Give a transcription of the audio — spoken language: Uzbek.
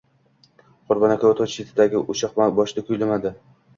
Qurbon aka o‘tov chetidagi o‘choq boshida kuymalandi.